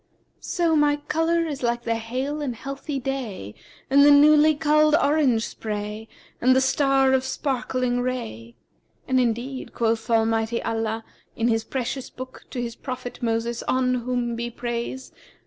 'So my colour is like the hale and healthy day and the newly culled orange spray and the star of sparkling ray;[FN#357] and indeed quoth Almighty Allah, in His precious Book, to his prophet Moses (on whom be peace!)